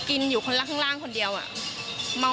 กินอยู่คนละข้างล่างคนเดียวอะ